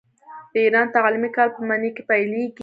د ایران تعلیمي کال په مني کې پیلیږي.